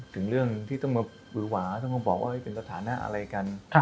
ถึงเรื่องที่ต้องมาหวือหวาต้องมาบอกว่าเป็นสถานะอะไรกัน